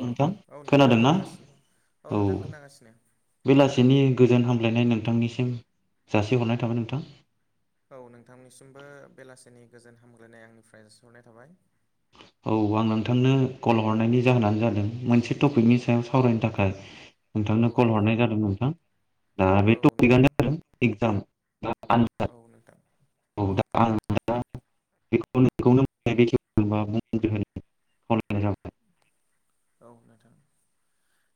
औ नोंथां औ नोंथां खोनागासिनो औ नोंथां खोनागासिनो। बेलासैनि गोजोन हामलायनाय नोंथांनिसिम जासिहरनाय थाबाय नोंथां। औ नोंथांनिसिमबो बेलासिनि गोजोन हामग्लायनाय आंनिफ्राय जोसिहरनाय थाबाय। आं नोंथांनो कल हरनायनि जाहोनानो जादों मोनसे टपिकनि सायाव सावरायनो थाखाय [unintelligible] औ नोंथांनो कल नोंथां हरनाय जादों नोंथां दा बे औ नोंथां टपिकनो जादों एगजाम औ नोंथां [unintelligible] खावलायनाय जाबाय औ नोंथां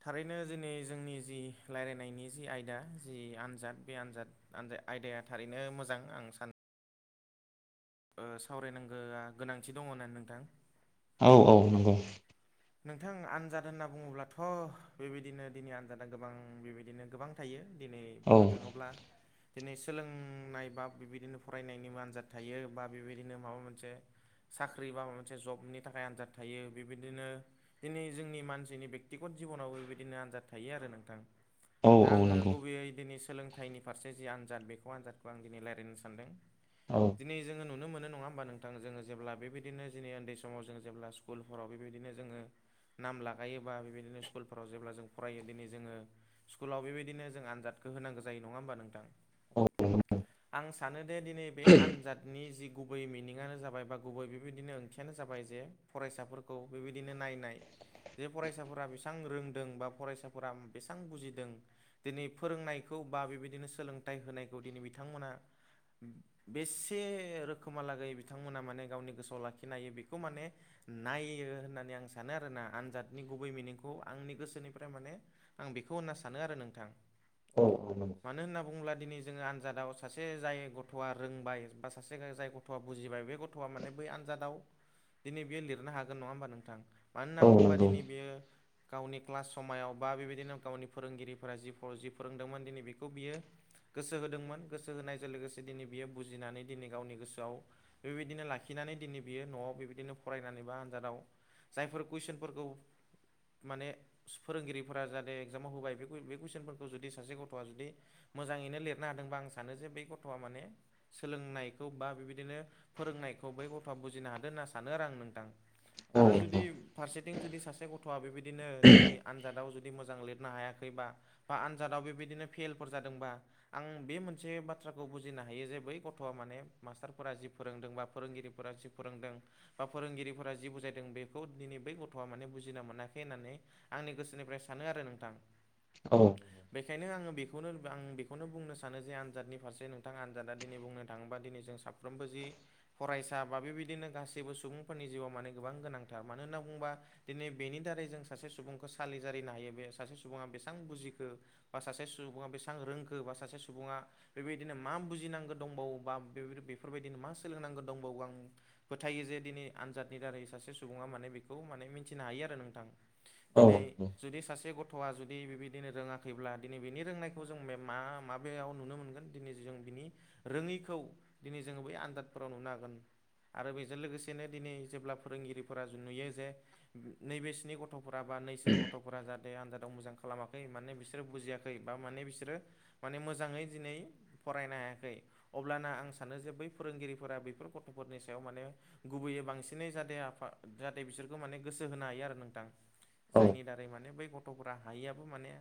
थारैनो दिनै जोंनि जि रायलायनायनि जि आयदा जि आनजाद बे आनजाद आनदाया आयदाया थारैनो मोजां आं सानो ओ सावरायनांगोआ गोनांथि दङ होननानै नोंथां। औ औ नंगौ नोंथां आनजाद होनना बुङोब्लाथ' बेबायदिनो दिनै आनजादा गोबां बेबायदिनो गोबां थायो दिनै औ बुंनो थाङोब्ला दिनै सोलोंनाय बा बेबायदिनो फरायनायनिबो आनजाद थायो बा बेबायदिनो माबा मोनसे साख्रि बा माबा मोनसे जबनि थाखाय आनजाद थायो बेबायदिनो दिनै जोंनि मानसिनि बेक्तिगत जिबनावबो बेबायदिनो आनजाद थायो आरो नोंथां। औ दा औ आङो नंगौ गुबैयै दिनै सोलोंथाइनि फारसे जि आनजाद बेखौ आनजादखौ आं दिनै रायलायनो सानदों। औ दिनै जोङो नुनो मोनो नङा ओमबा नोंथां जोङो जेब्ला बेबायदिनो दिनै उन्दै समाव जोङो जेब्ला स्कुलफोराव बेबायदिनो जोङो नाम लागायोबा बेबायदिनो स्कुलफोराव जेब्ला फरायो दिनै जोङो स्कुलाव बेबायदिनो जों आनजादखौ होनांगो जायो नङा होमबा नोंथां? औ नंगौ आं सानो दे दिनै बे आनजाद नि जि गुबै मिनिङानो जाबाय बा गुबै बेबायदिनो ओंथियानो जाबाय जे फरायसाफोरखौ बेबायदिनो नाय नाय जे फरायसाफोरा बेसेबां रोंदों बा फरायसाफोरा बेसां बुजिदों। दिनै फोरोंनायखौ बा बेबायदिनो सोलोंथाइ होनायखौ दिनै बिथांमोना बेसे रोखोमालागै बिथांमोना माने गावनि गोसोआव लाखिनो हायो बेखौ माने नायो होननानै आं सानो आरोना आनजादनि गुबै मिनिंखौ आंनि गोसोनिफ्राय माने आं बेखौ होनना सानो आरो नोंथां। औ नंगौ मानो होनना बुङोब्ला दिनै जोङो आनजादाव सासे जाय गथ'आ रोंबाय बा सासे जाय ग थ'आ बुजिबाय बे गथ'आ माने बै आनजादाव दिनै बियो लिरनो हागोन नङा ओमबा नोंथां? मानो होनना औ बुङोबा नंगौ दिनै बेयो गावनि क्लास समायाव बा बेबायदिनो गावनि फोरोंगिरिफोरा जिखौ जि फोरोंदोंमोन दिनै बेखौ बियो गोसो होदोंमोन गोसो होनायजों लोगोसे दिनै बियो बुजिनानै दिनै गावनि गोसोआव बेबायदिनो लाखिनानै दिनै बियो न'वाव बेबायदिनो फरायनानै बा आनजादाव जायफोर कुइसनफोरखौ माने फोरोंगिरिफोरा जाहाथे एग्जामाव होबाय बे बे कुइसनफोरखौ जुदि सासे गथ'आ जुदि मोजाङैनो लिरनो हादोंबा आं सानो जे बेै गथ'आ माने सोलोंनायखौ बा बेबायदिनो फोरोंनायखौ बै गथ'आ बुजिनो हादों होनना सानो आरो आं नोंथां। औ नंगौ औ आरो जु नंगौ फारसेथिं जुदि सासे गथ'आ बेबायदिनो दिनै आनजादाव जुदि मोजां लिरनो हायाखैबा बा आनजादाव बेबायदिनो फेलफोर जादोंबा आं बे मोनसे बाथ्राखौ बुजिनो हायो जे बै गथ'आ माने मास्टारफोरा जि फोरोंदों बा फोरोंगिरिफोरा जि फोरोंदों बा फोरोंगिरिफोरा जि बुजायदों बे खौ दिनै बै गथ'वा माने बुजिना मोनाखै होननानै आंनि गोसोनिफ्राय सानो आरो नोंथां। औ बेखायनो आङो बेखौनो आं बेखौनो बुंनो सानो जे आनजादनि फारसे नोंथां आनजादा दिनै बुंनो थाङोबा दिनै जों साफ्रोमबो जि फरायसा बा बेबायदिनो गासैबो सुबुंफोरनि जिउआव माने गोबां गोनां थार मानो होनना बुङोबा दिनै बेनि दारै जों सासे सुबुंखौ सालि जारिनो हायो बे सासे सुबुङा बेसां बुजिखो। बा सासे सुबुङा बेसां रोंखो बा सासे सुबुङा बेबायदिनो मा बुजिनांगौ दंबावोबा बेफोरबायदिनो मा सोलोंनांगौ दंबावो आं फोथायो जे दिनै आनजादनि दारै सासे सुबुङा माने बेखौ माने मिथिनो हायो आरो नोंथां दिनै जुदि गथ'वा जु दि बेबायदिनो रोङाखैब्ला दिनै बिनि रोंनायखौ जों मा माबेयाव नुनो मोनगोन दिनै जों बिनि रोङैखौ दिनै जोङो बै आनजादफोराव नुनो हागोन। आरो बेजों लोगोसेनो दिनै जेब्ला फोरोंगिरि फोरा जों नुयो जे नैबे स्नि गथ'फोरा बा नैसोर गथ'फोरा जा बे आनजादाव मोजां खालामाखै मानोना बिसोरो बुजियाखै बा माने बिसोरो माने मोजाङै दिनै फरायनो हायाखै अब्लाना आं सानो जे बै फोरोंगिरिफोरा बैफोर गथ'फोरनि सायाव माने गुबैयै बांसिनै जाहाथे आफा जाहाथे बिसोरखौ माने गोसो होनो हायो आरो नोंथां जायनि दारै माने बै ग गथ'फ्रा हायिआबो माने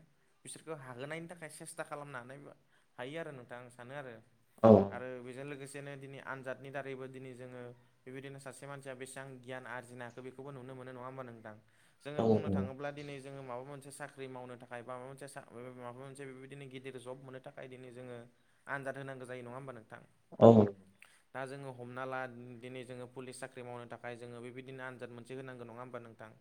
बिसोरखौ हाहोनायनि थाखाय सेस्था खालाम होनानै हायो आरो नोंथां आं सानो आरो। औव आरो बेजों लोगोसेनो दिनै आनजादनि दारैबो दिनै जोङो बेबायदिनो सासे मानसिया बेसेबां गियान आरजि ना हाखो बेखौबो नुनो मोनो नङा होनबा नोंथां जोङो औ बुंनो नंगौ थाङोब्ला दिनै जोङो माबा मोनसे साख्रि मावनो थाखाय बा माबा मोनसे माबा मोनसे बेबायदिनो गिदिर जब मोननो थाखाय दिनै जोङो आनजाद होनांगौ जायो नङा होनबा नोंथां। औव दा जोङो हमना ला दिनै जोङो पुलिस साख्रि मावनो थाखाय जोङो बेबायदि बिदिनो आनजाद मोनसे होनांगौ नङा होमबा नोंथां।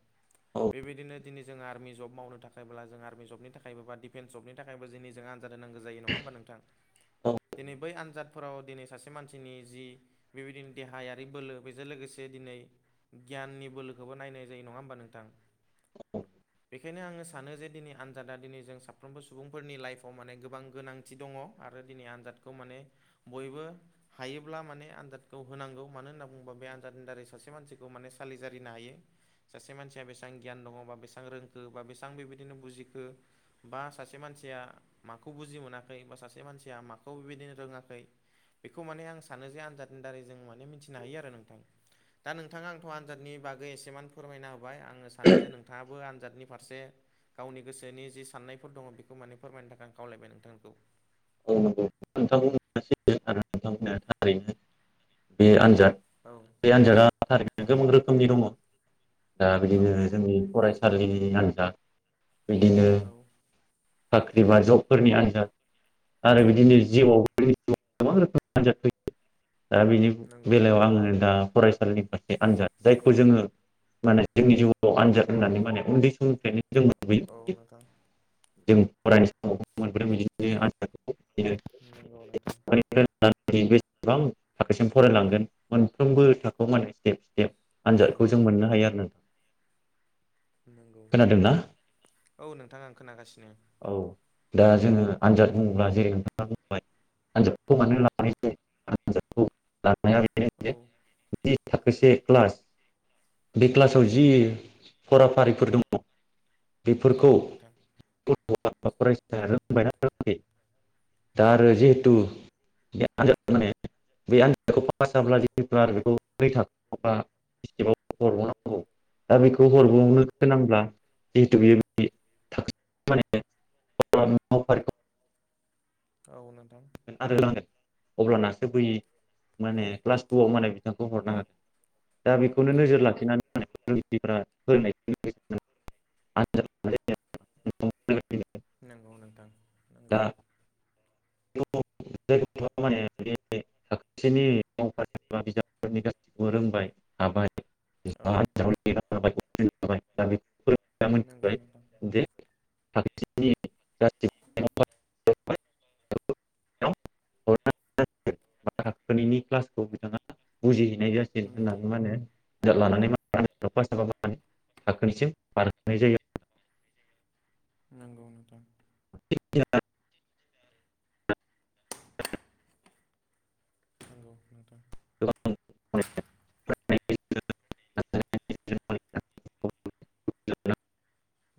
औ बेबायदिनो दिनै जों आरमि जब मावनो थाखायब्ला जों आरमि जबनि थाखाय बा डिफेन्स जबनि थाखाय थाखायबो दिनै जों आनजाद होनांगौ जायो नङा होमबा नोंथां। दिनै बै आनजादफोराव दिनै सासे मानसिनि जि बेबायदिनो देहायारि बोलो बेजों लोगोसे दिनै गियाननि बोलोखौबो नायनाय जायो नङा होमबा नोंथां। औव। बेखायनो आङो सानो जे दिनै आनजादा दिनै जों साफ्रोमबो सुबुंफोरनि लाइफआव माने गोबां गोनां थि दङ आरो दिनै आनजादखौ माने बयबो हायोब्ला माने आनजादखौ होनांगौ मानो होनना बुङोबा बे आनजादनि दारै सासे मानसि माने सालिजारिनो हायो। सासे मानसिया बेसेबां गियान दङ बा बेसेबां रोंखो बा बेसेबां बेबायदिनो बुजिखो बा सासे मानसिया माखौ बुजि मोनाखै बा सासे मानसिया माखौ बेबायदिनो रोङाखै। बेखौ माने आं सानो जे आनजादनि दारै जों माने मिथिनो हायो आरो नोंथां दा नों नोंथाङा आंथ' आनजादनि बागै एसेमान फोरमायना होबाय आङो सानो जे नोंथाङाबो आनजादनि फारसे गावनि गोसोनि जि साननायफोर दङ बेखौ माने फोरमायनो थाखाय आं खावलायबाय नोंथांखौ [inaudible] बे आनजाद औव। [inaudible] गोबां रोखोमनि दङ दा औ बिदिनो नोंथां जोंनि फराय थासालिनि आन्जाद बिदिनो औ साख्रि बा जबफोरनि आन्जाद। [inaudible] औ नोंथां दा बिनि नंगौ बेलायाव नोंथां आङो दा फरायसालिनि आनजाद जायखौ जोङो माने जोंनि जिउआव आनजाद होननानै माने उन्दै समनिफ्रायनो जों मोनबोयो औव नोंथां। जों फरायनाय समाव मोन नंगौ नोंथां [unintelligible] दा दि बेसेबां थाखोसिम फरायलांगोन मोनफ्रोमबो थाखोआव माने स्टेप स्टेप नंगौ आनजादखौ जों नोंथां मोननो हायो आरो ना। नंगौ औव नोंथां आं खोनागासिनो। औव दा जोङो आनजाद बुङोब्ला जेरै नोंथाङा बुंबाय आनजादखौ मानो लानाय जायो आनजादखौ [unintelligible] औव जि थाखोसे क्लास बे औ क्लासाव जि नोंथां फराफारिफोर दङ बेफोरखौ औ नोंथां [inaudible] दा औ आरो जिहेथु [unintelligible] [inaudible] हरबावनांगौ दा बेखौ औ नोंथां हरबावनो होनांब्ला जिहेतु बे मानेफारिखौ औ नोंथां आरो होलांगोन अ्लानासो बै माने क्लास टुव माने बिथांखौ हरना हादों दा बेखौनो नंगौ नोजोर लाखिनानै [unintelligible] नंगौ नोंथां नोंगौ दा [unintelligible] सासेनि मावफारि बिजाबफोरनि गासैखौबो रोंबाय हाबाय औ नंगौ नोंथां [unintelligible] [unintelligible] [unintelligible] [inaudible] क्लासखौ बिथाङा बुजियो जासिग नंगौ लानानै म थाखोनिसिम बारहोनाय जायो नंगौ नोंथां [unintelligible] नांगौ नोंथां [unintelligible]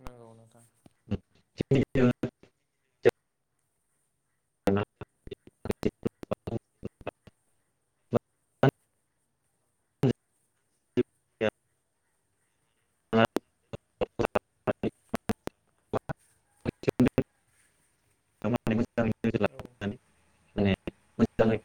नंगौ नोंथां [inaudible] [inaudible] [unintelligible] [unintelligible] [unintelligible] औ माने मोजाङै